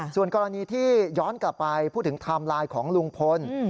ส่วนกรณีที่ย้อนกลับไปพูดถึงไทม์ไลน์ของลุงพล